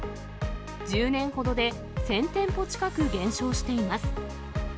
１０年ほどで１０００店舗近く減少しています。